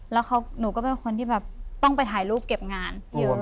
แล้วหนูก็เป็นคนที่แบบต้องไปถ่ายรูปเก็บงานเยอะ